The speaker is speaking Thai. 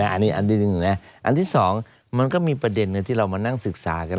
อันนี้อันหนึ่งนะอันที่๒มันก็มีประเด็นที่เรามานั่งศึกษากัน